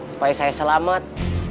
supaya saya selamat